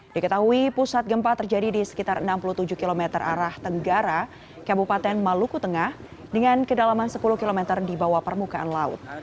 diketahui pusat gempa terjadi di sekitar enam puluh tujuh km arah tenggara kabupaten maluku tengah dengan kedalaman sepuluh km di bawah permukaan laut